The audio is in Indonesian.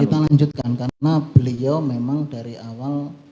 kita lanjutkan karena beliau memang dari awal